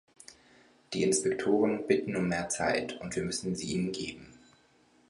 Die Inspektoren bitten um mehr Zeit, und wir müssen sie ihnen geben.